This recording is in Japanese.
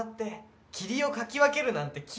霧をかき分けるなんてキリがないさ。